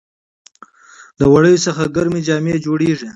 د وړیو څخه ګرمې جامې جوړیږي.